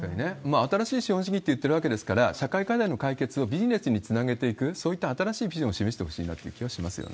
新しい資本主義って言ってるわけですから、社会課題の解決をビジネスにつなげていく、そういった新しいビジョンを示してほしいなという気はしますよね。